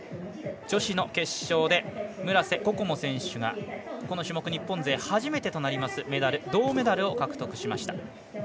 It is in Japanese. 女子の決勝で村瀬心椛選手がこの種目、日本勢初めてとなります、メダル銅メダルを獲得しました。